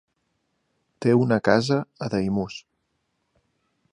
Té una casa a Daimús.